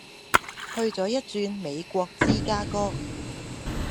去左一轉美國芝加哥